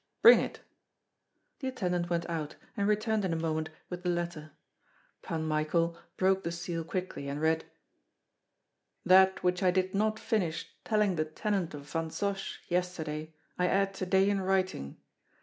"Bring it." The attendant went out and returned in a moment with the letter. Pan Michael broke the seal quickly and read, That which I did not finish telling the tenant of Vansosh yesterday, I add to day in writing.